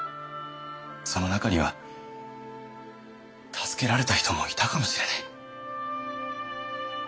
その中には助けられた人もいたかもしれない。